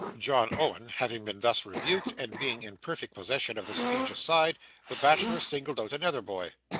John Owen having been thus rebuked, and being in perfect possession of the speech aside, the bachelor singled out another boy.